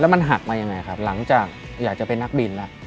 มันหักมายังไงครับหลังจากอยากจะเป็นนักบินแล้ว